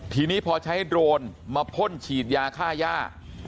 ทีนี้พอใช้โดรนมาพ่นฉีดยาฆ่าย่า